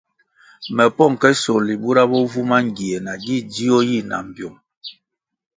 Me pong ke sohli bura bo vu mangie nagi dzio yi na mbpyung.